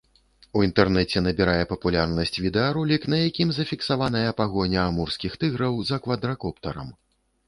У інтэрнэце набірае папулярнасць відэаролік, на якім зафіксаваная пагоня амурскіх тыграў за квадракоптарам.